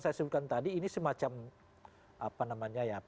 saya sebutkan tadi ini semacam